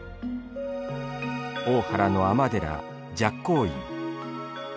大原の尼寺、寂光院。